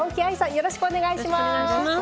よろしくお願いします。